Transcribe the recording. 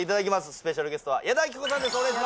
スペシャルゲストは矢田亜希子さんです